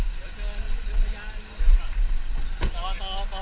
คนนี้เป็นอะไรครับเป็นแฟนใช่ไหมอ่าเดี๋ยวคนที่เป็นใครครับ